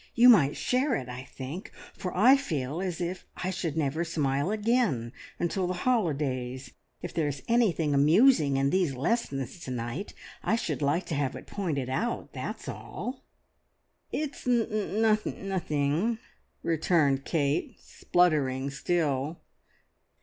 "You might share it, I think, for I feel as if I should never smile again until the holidays. If there is anything amusing in these lessons to night, I should like to have it pointed out, that's all!" "It's n n thing!" returned Kate, spluttering still.